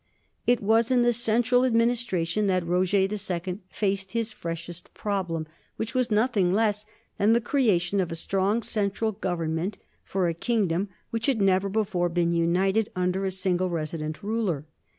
It was in the central administration that Roger II faced his freshest problem, which was nothing less than the creation of a strong central government for a king dom which had never before been united under a single resident ruler.